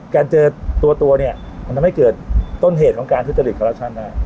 การเจอตัวตัวเนี้ยมันทำให้เกิดต้นเหตุของการทฤษฎิการลักษณ์ได้